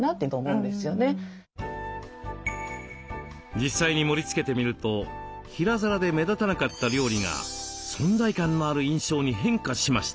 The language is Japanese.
実際に盛りつけてみると平皿で目立たなかった料理が存在感のある印象に変化しました。